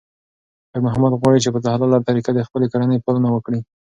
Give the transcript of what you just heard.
خیر محمد غواړي چې په حلاله طریقه د خپلې کورنۍ پالنه وکړي.